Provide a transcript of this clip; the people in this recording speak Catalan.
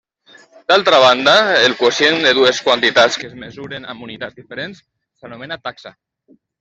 D'altra banda, el quocient de dues quantitats que es mesuren amb unitats diferents s'anomena taxa.